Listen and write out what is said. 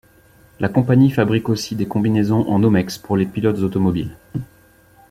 La compagnie fabrique aussi des combinaisons en Nomex pour les pilotes automobiles.